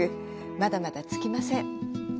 まだまだ尽きません。